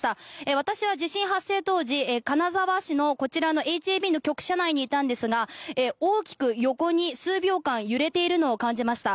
私は地震発生当時金沢市のこちらのＨＡＢの局社内にいたんですが大きく横に数秒間揺れているのを感じました。